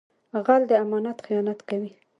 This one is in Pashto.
غل د امانت خیانت کوي